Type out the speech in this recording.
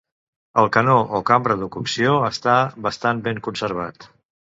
El canó o cambra de cocció està bastant ben conservat.